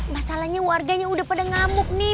masalahnya warganya udah pada ngamuk nih